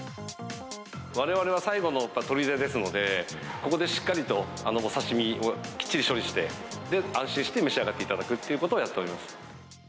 われわれが最後のとりでですので、ここでしっかりと、お刺身をきっちり処理して、安心して召し上がっていただくということをやっております。